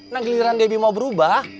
nah giliran debbie mau berubah